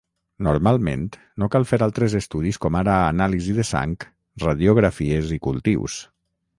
Normalment no cal fer altres estudis com ara anàlisi de sang, radiografies i cultius.